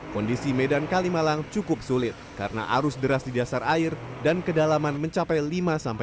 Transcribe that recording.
kondisi medan kalimalang cukup sulit karena arus deras di dasar air dan kedalaman mencapai lima enam meter serta berlumpur